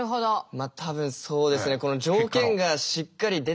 まあ多分そうですね条件がしっかり出てる。